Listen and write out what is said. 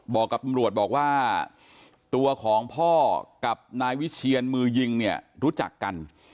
บอกกับตำรวจบอกว่าตัวของพ่อกับนายวิเชียนมือยิงเนี่ยรู้จักกัน